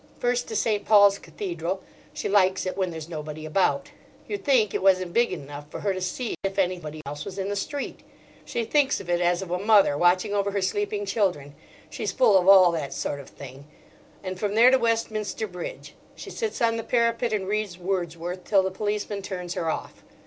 First to St. Paul's Cathedral; she likes it when there's nobody about. You'd think it wasn't big enough for her to see if anybody else was in the street. She thinks of it as of a mother watching over her sleeping children; she's full of all that sort of thing. And from there to Westminster Bridge. She sits on the parapet and reads Wordsworth, till the policeman turns her off.